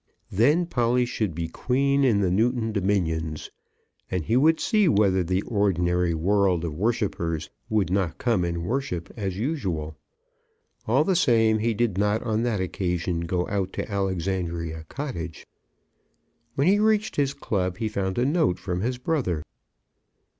Then Polly should be queen in the Newton dominions, and he would see whether the ordinary world of worshippers would not come and worship as usual. All the same, he did not on that occasion go out to Alexandria Cottage. When he reached his club he found a note from his brother.